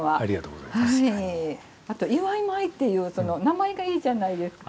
あと祝米っていうその名前がいいじゃないですか。